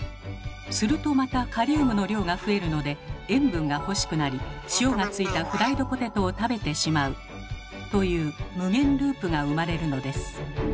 するとまたカリウムの量が増えるので塩分が欲しくなり塩が付いたフライドポテトを食べてしまうという無限ループが生まれるのです。